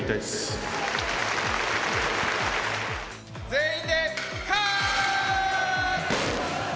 全員で。